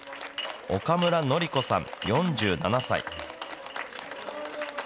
岡村典子さん４７歳。